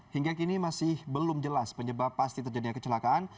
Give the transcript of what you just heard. hingga kini masih belum jelas penyebab pasti terjadinya kecelakaan